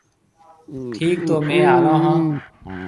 ٺيڪ تو ميه هالون هون۔